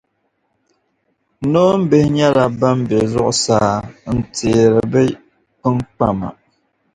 Noombihi nyɛla ban bɛ zuɣusaa n teeri bɛ kpimkpama